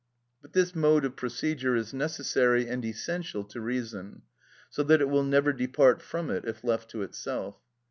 But this mode of procedure is necessary and essential to reason, so that it will never depart from it if left to itself.